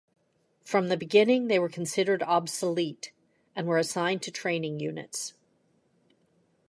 From the beginning they were considered obsolete, and were assigned to training units.